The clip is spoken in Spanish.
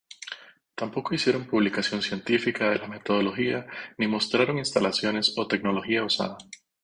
Tampoco hicieron publicación científica de la metodología ni mostraron instalaciones o tecnología usada.